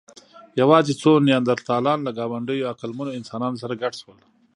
یواځې څو نیاندرتالان له ګاونډيو عقلمنو انسانانو سره ګډ شول.